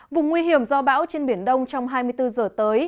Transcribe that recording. vùng nguy hiểm do bão trên biển đông trong hai mươi bốn giờ tới